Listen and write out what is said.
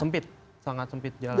sempit sangat sempit jalan